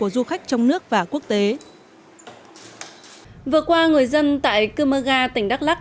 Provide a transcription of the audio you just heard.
vừa qua người dân tại cơ mơ ga tỉnh đắk lắc